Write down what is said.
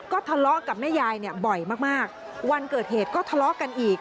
ก็ทะเลาะกับแม่ยายเนี่ยบ่อยมากวันเกิดเหตุก็ทะเลาะกันอีก